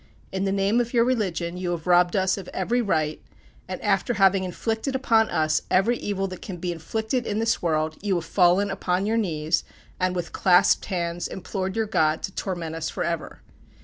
In the name of your religion, you have robbed us of every right; and after having inflicted upon us every evil that can be inflicted in this world, you have fallen upon your knees, and with clasped hands, implored your God to torment us forever.